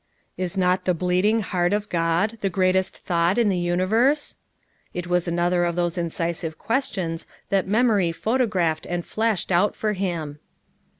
"Is not the bleeding heart of God the great est thought in the universe? " It was another of those incisive questions that memory photo graphed and flashed out for him.